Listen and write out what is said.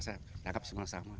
saya agak semua sama